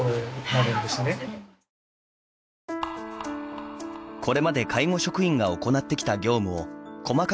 これまで介護職員が行ってきた業務を細かく分類。